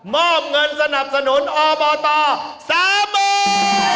มอบเงินสนับสนุนอบต๓๐๐๐บาท